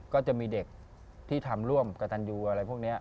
ก็จะมีเด็กที่ทำร่วมกับตันยูอะไรพวกนี้